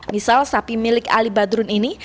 misal sapi milik ali badrun ini